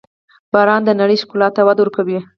• باران د نړۍ ښکلا ته وده ورکوي.